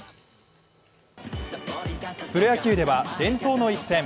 プロ野球では伝統の一戦。